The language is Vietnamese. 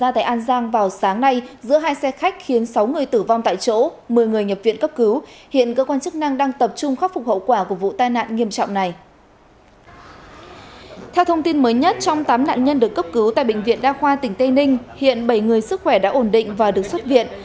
theo thông tin mới nhất trong tám nạn nhân được cấp cứu tại bệnh viện đa khoa tỉnh tây ninh hiện bảy người sức khỏe đã ổn định và được xuất viện